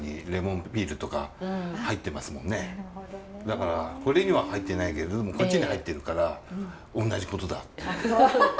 だからこれには入ってないけどでもこっちに入ってるからおんなじことだっていう。